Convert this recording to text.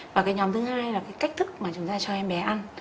và cái nhóm thứ hai là cái cách thức mà chúng ta cho em bé ăn